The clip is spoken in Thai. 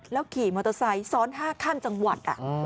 แล้วขี่มอเตอร์ไซค์ซ้อนห้าขั้นจังหวัด